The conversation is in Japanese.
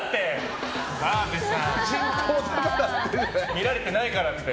見られてないからって。